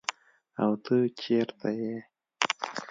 او ته چیرته ئي ؟